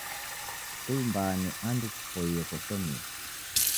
Skulu mbaa ni ando kupoie koshomia.